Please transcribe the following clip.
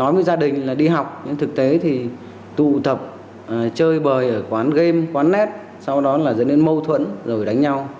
nói với gia đình là đi học nhưng thực tế thì tụ tập chơi bời ở quán game quán nét sau đó là dẫn đến mâu thuẫn rồi đánh nhau